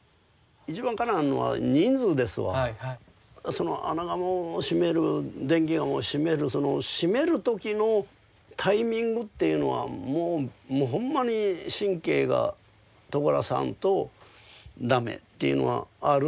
その穴窯を閉める電気窯を閉めるその閉める時のタイミングっていうのはもうもうほんまに神経がとがらさんと駄目っていうのはあるんです。